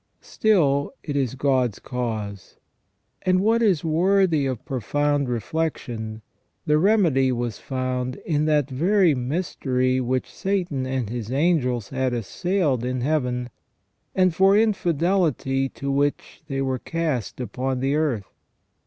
Still it is God's cause ; and, what is worthy of profound reflection, the remedy was found in that very mystery which Satan and his angels had assailed in Heaven, and for infidelity to which they were cast upon the earth.